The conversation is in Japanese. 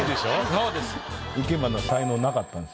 そうです。